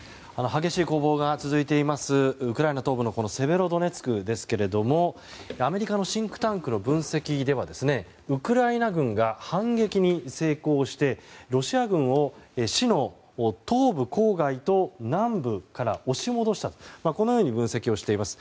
激しい攻防が続いているウクライナ東部のセベロドネツクですがアメリカのシンクタンクの分析ではウクライナ軍が反撃に成功してロシア軍を市の東部郊外と南部から押し戻したと分析しています。